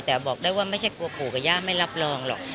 แต่บอกได้ว่าไม่ใช่กลัวปู่กับย่าไม่รับรองหรอก